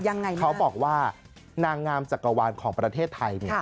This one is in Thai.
ยังไงคะเขาบอกว่านางงามจักรวาลของประเทศไทยเนี่ย